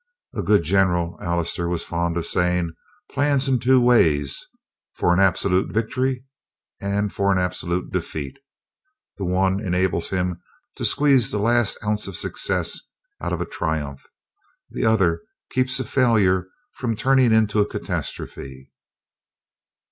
"A good general," Allister was fond of saying, "plans in two ways: for an absolute victory and for an absolute defeat. The one enables him to squeeze the last ounce of success out of a triumph; the other keeps a failure from turning into a catastrophe."